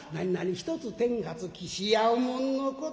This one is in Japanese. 『ひとつてんがつきしやうもんのこと』。